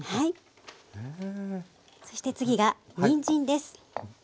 そして次がにんじんです。